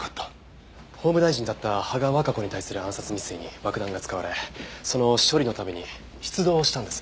法務大臣だった芳賀和香子に対する暗殺未遂に爆弾が使われその処理のために出動したんです。